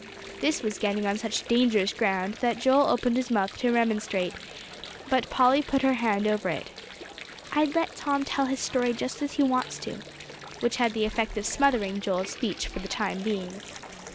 This was getting on such dangerous ground, that Joel opened his mouth to remonstrate, but Polly put her hand over it. "I'd let Tom tell his story just as he wants to," which had the effect of smothering Joel's speech for the time being.